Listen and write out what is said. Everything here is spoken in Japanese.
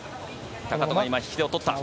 高藤が今引き手を取った。